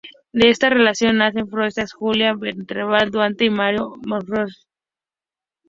De esta relación, nacen Fresia Julia Vernal Duarte y Mario Antonio Vernal Duarte.